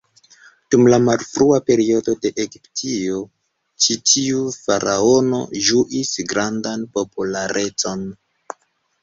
Dum la malfrua periodo de Egiptio, ĉi tiu faraono ĝuis grandan popularecon.